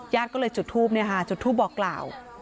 ยาดก็เลยจุดทูปเนี่ยค่ะจุดทูปบอกกล่าว